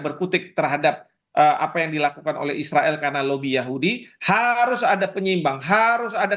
berkutik terhadap apa yang dilakukan oleh israel karena lobby yahudi harus ada penyimbang harus ada